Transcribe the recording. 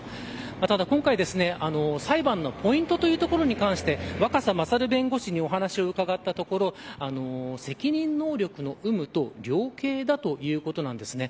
ただ、今回裁判のポイントというところに関して若狭勝弁護士にお話を伺ったどころ責任能力の有無と量刑だということです。